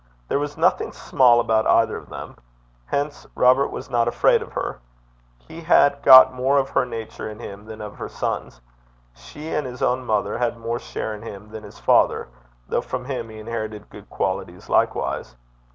There was nothing small about either of them. Hence Robert was not afraid of her. He had got more of her nature in him than of her son's. She and his own mother had more share in him than his father, though from him he inherited good qualities likewise.